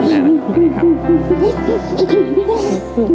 เยี่ยม